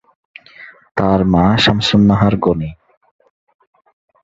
তার মা শামসুন নাহার গনি।